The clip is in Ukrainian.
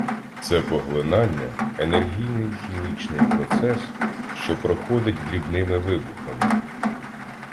Це поглинання — енергійний хімічний процес, що проходить дрібними вибухами.